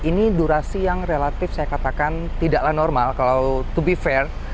ini durasi yang relatif saya katakan tidaklah normal kalau to be fair